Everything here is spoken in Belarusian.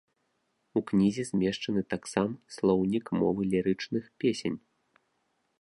У кнізе змешчаны таксам слоўнік мовы лірычных песень.